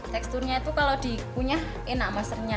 teksturnya itu kalau dikunyah enak maskernya